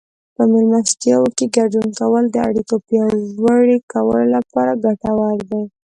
په مېلمستیاوو کې ګډون کول د اړیکو پیاوړي کولو لپاره ګټور دي.